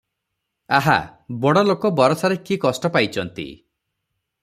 ଆହା, ବଡ଼ଲୋକ ବରଷାରେ କି କଷ୍ଟ ପାଇଚନ୍ତି ।